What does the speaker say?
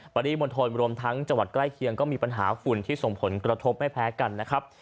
ปริมณฑลรวมทั้งจังหวัดใกล้เคียงก็มีปัญหาฝุ่นที่ส่งผลกระทบไม่แพ้กันนะครับ